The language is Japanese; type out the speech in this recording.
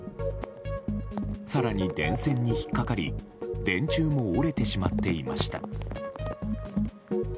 更に、電線に引っ掛かり電柱も折れてしまっていました。